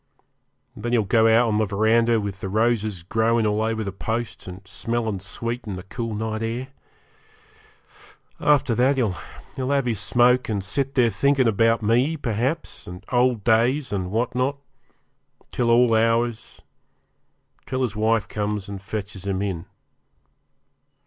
And then he'll go out in the verandah, with the roses growin' all over the posts and smellin' sweet in the cool night air. After that he'll have his smoke, and sit there thinkin' about me, perhaps, and old days, and what not, till all hours till his wife comes and fetches him in.